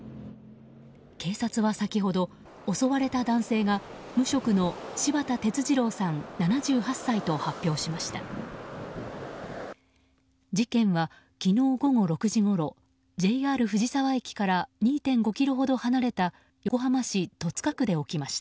警察は先ほど、襲われた男性が無職の柴田哲二郎さん、７８歳と発表しました。